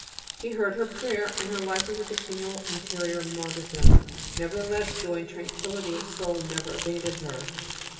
He heard her prayer, and her life was a continual interior martyrdom, nevertheless joy and tranquility of soul never abandoned her.